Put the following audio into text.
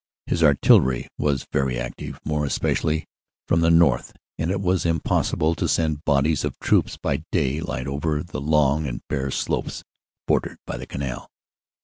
His artillery was very active, more especially from the north, and it was impossible to send bodies of troops by day light over the long and bare slopes bordered by the Canal.